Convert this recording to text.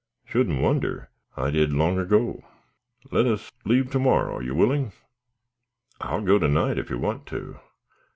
"Shouldn't wonder; I did long ago." "Let us leave to morrow. Are you willing?" "I'll go to night if you want to."